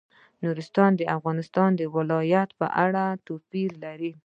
نورستان د افغانستان د ولایاتو په کچه توپیر لري.